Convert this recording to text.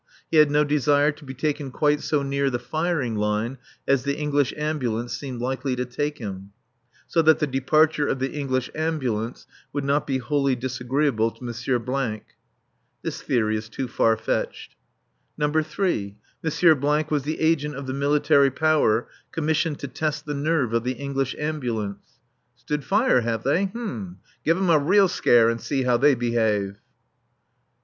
He had no desire to be taken quite so near the firing line as the English Ambulance seemed likely to take him; so that the departure of the English Ambulance would not be wholly disagreeable to M. . (This theory is too far fetched.) (3.) M. was the agent of the Military Power, commissioned to test the nerve of the English Ambulance. ("Stood fire, have they? Give 'em a real scare, and see how they behave.") (4.)